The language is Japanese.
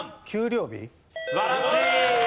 素晴らしい！